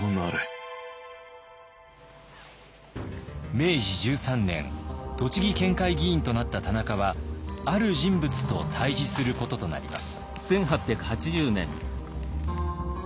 明治１３年栃木県会議員となった田中はある人物と対じすることとなります。